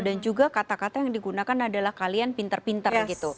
dan juga kata kata yang digunakan adalah kalian pintar pintar gitu